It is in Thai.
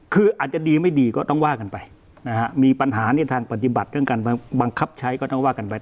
คืออาจจะดีไม่ดีก็ต้องว่ากันไปนะฮะมีปัญหาในทางปฏิบัติเรื่องการบังคับใช้ก็ต้องว่ากันไว้